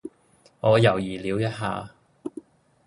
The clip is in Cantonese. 我猶豫了一下